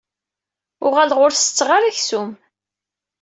Uɣaleɣ ur setteɣ ara aksum.